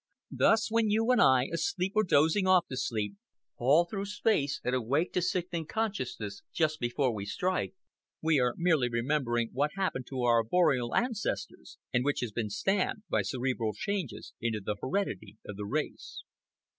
Thus, when you and I, asleep or dozing off to sleep, fall through space and awake to sickening consciousness just before we strike, we are merely remembering what happened to our arboreal ancestors, and which has been stamped by cerebral changes into the heredity of the race.